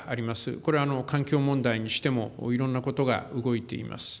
これは環境問題にしても、いろんなことが動いています。